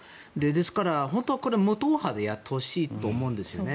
ですから、本当はこれは無党派でやってほしいと思うんですね。